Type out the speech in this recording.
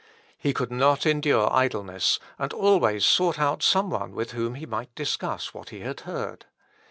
He could not endure idleness, and always sought out some one with whom he might discuss what he had heard.